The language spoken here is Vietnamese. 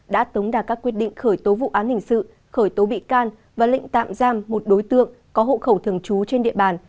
đã tống đạt các quyết định khởi tố vụ án hình sự khởi tố bị can và lệnh tạm giam một đối tượng có hộ khẩu thường trú trên địa bàn